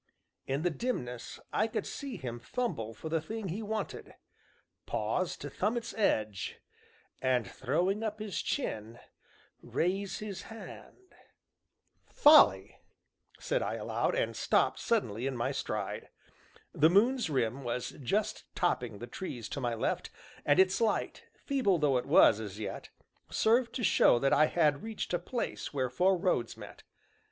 In the dimness I could see him fumble for the thing he wanted, pause to thumb its edge, and, throwing up his chin, raise his hand "Folly!" said I aloud, and stopped suddenly in my stride. The moon's rim was just topping the trees to my left, and its light, feeble though it was as yet, served to show that I had reached a place where four roads met.